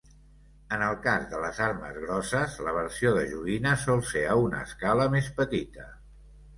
En el cas de les armes grosses, la versió de joguina sol ser a una escala més petita.